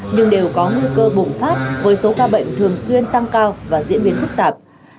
nhưng đều có nguy cơ bùng phát với số ca bệnh thường xuyên tăng cao và diễn biến phức tạp